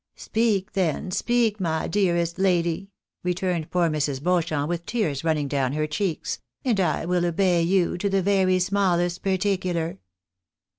" Speak, then, speak, my dearest lady," returned poor Mrs. Beauchamp, with tears running down her cheeks, " and I will obey you to the very smallest particular."